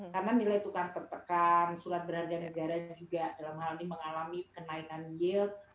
karena nilai tukang perpekan sulat berharga negara juga dalam hal ini mengalami kenainan yield